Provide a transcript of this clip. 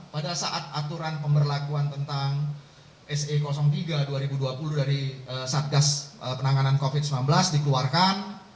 pada saat aturan pemberlakuan tentang se tiga dua ribu dua puluh dari satgas penanganan covid sembilan belas dikeluarkan